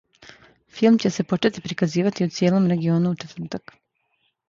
Филм ће се почети приказивати у цијелом региону у четвртак.